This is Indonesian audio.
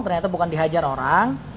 ternyata bukan dihajar orang